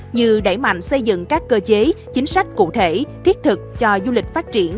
như đẩy mạnh xây dựng các cơ chế chính sách cụ thể thiết thực cho du lịch phát triển